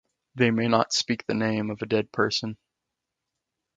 They may not speak the name of a dead person.